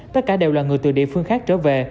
tất cả đều là người từ địa phương khác trở về